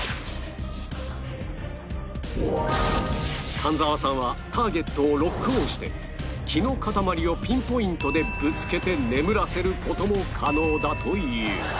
神沢さんはターゲットをロックオンして気のかたまりをピンポイントでぶつけて眠らせる事も可能だという